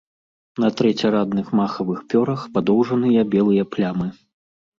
На трэцярадных махавых пёрах падоўжаныя белыя плямы.